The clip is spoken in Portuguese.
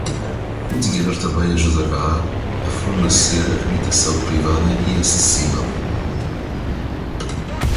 O dinheiro também ajudará a fornecer habitação privada e acessível.